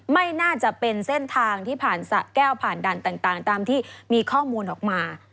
ไม่น่าจะเป็นเส้นทางที่ผ่านสะแก้วผ่านด่านต่างตามที่มีข้อมูลออกมา